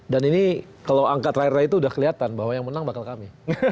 ini kalau angka terakhir itu sudah kelihatan bahwa yang menang bakal kami